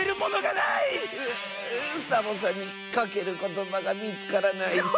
うサボさんにかけることばがみつからないッス。